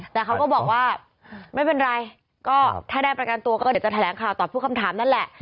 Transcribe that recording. แต่เขาก็บอกว่าไม่เป็นไรก็ถ้าได้ประกันตัวก็เดี๋ยวจะแถลงข่าวตอบทุกคำถามนั่นแหละ